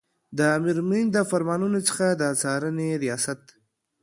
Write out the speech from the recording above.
د امیرالمؤمنین د فرمانونو څخه د څارنې ریاست